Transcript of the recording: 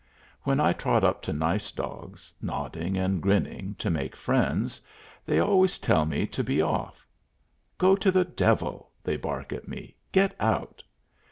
When I trot up to nice dogs, nodding and grinning, to make friends, they always tell me to be off. "Go to the devil!" they bark at me. "Get out!"